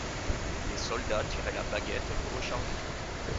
Les soldats tiraient la baguette pour recharger.